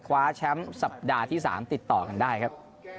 คว้าแชมป์สัปดาห์ที่๓ติดต่อกันได้ครับ